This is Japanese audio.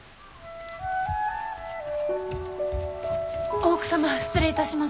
大奥様失礼いたします。